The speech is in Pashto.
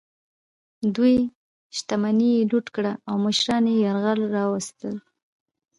دوی شتمني یې لوټ کړه او مشران یې یرغمل راوستل.